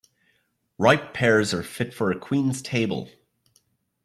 Ripe pears are fit for a queen's table.